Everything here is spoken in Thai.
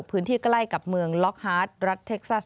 พื้นที่ใกล้กับเมืองล็อกฮาร์ดรัฐเท็กซัส